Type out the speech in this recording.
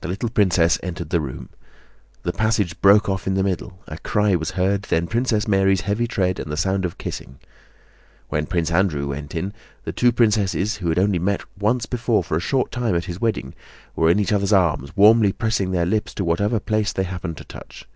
The little princess entered the room. The passage broke off in the middle, a cry was heard, then Princess Mary's heavy tread and the sound of kissing. When Prince Andrew went in the two princesses, who had only met once before for a short time at his wedding, were in each other's arms warmly pressing their lips to whatever place they happened to touch.